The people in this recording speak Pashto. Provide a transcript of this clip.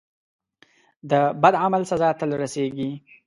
د بد عمل سزا تل رسیږي.